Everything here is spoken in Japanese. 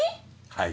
⁉はい。